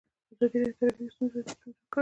ازادي راډیو د ټرافیکي ستونزې وضعیت انځور کړی.